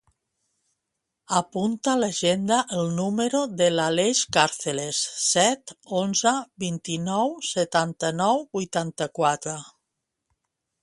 Apunta a l'agenda el número de l'Aleix Carceles: set, onze, vint-i-nou, setanta-nou, vuitanta-quatre.